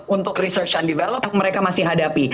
untuk research and develop mereka masih hadapi